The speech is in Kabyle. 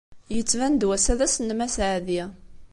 Yettban-d wass-a d ass-nnem aseɛdi.